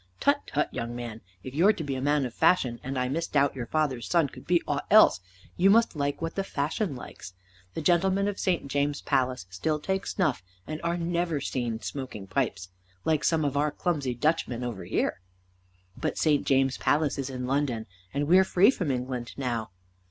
"Tut, tut, young man, if you're to be a man of fashion, and I misdoubt your father's son could be ought else, you must like what the fashion likes. The gentlemen of St. James' Palace still take snuff, and never are seen smoking pipes, like some of our clumsy Dutchmen over here." "But St. James' Palace is in London, and we're free from England now."